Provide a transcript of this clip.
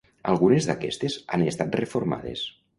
Algunes d'aquestes han estat reformades.